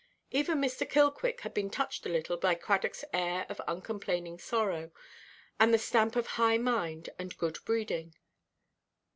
Even Mr. Killquick had been touched a little by Cradockʼs air of uncomplaining sorrow, and the stamp of high mind and good breeding.